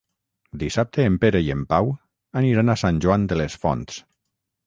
Dissabte en Pere i en Pau aniran a Sant Joan les Fonts.